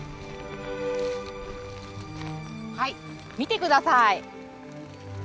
はい見て下さい。